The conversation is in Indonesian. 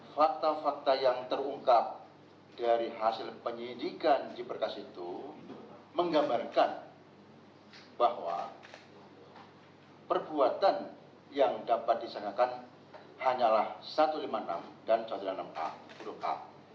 fakta fakta yang terungkap dari hasil penyidikan di berkas itu menggambarkan bahwa perbuatan yang dapat disangkakan hanyalah satu ratus lima puluh enam dan satu ratus lima puluh enam a huruf a